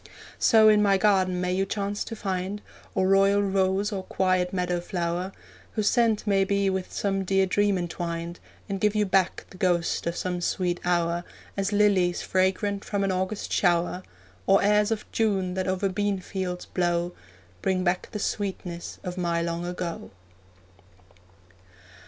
So in my garden may you chance to find Or royal rose or quiet meadow flower, Whose scent may be with some dear dream entwined, And give you back the ghost of some sweet hour, As lilies fragrant from an August shower, Or airs of June that over bean fields blow, Bring back the sweetness of my long ago.